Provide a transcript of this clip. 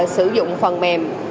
sử dụng phần mềm